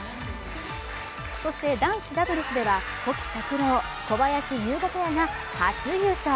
そして、男子ダブルスでは保木卓朗・小林優吾ペアが初優勝。